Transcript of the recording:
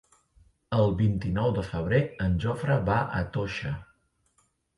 El vint-i-nou de febrer en Jofre va a Toixa.